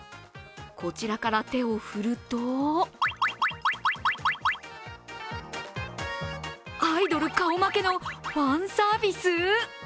こちらから手を振るとアイドル顔負けのファンサービス？